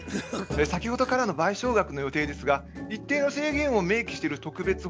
先ほどからの賠償額の予定ですが一定の制限を明記してる特別法もあります。